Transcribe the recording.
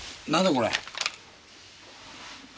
これ。